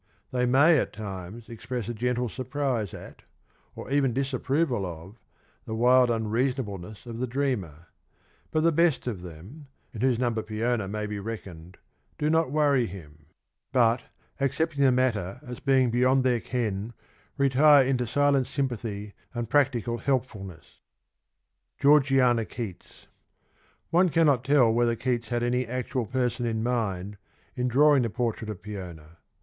They may at times express a gentle surprise at, or even disapproval of the wild unreasonableness of the dreamer, but the best of them, in whose number Peona may be reckoned, do not worry him, but, accepting the matter as being beyond their ken, retire into silent sympathy and practical helpfulness. >vv 9\.. One cannot tell whether Keats had any actual person in mind in drawing the portrait of Peona.